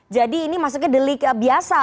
jadi ini maksudnya delik biasa